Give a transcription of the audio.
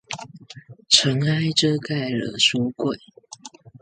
塵埃遮蓋了書櫃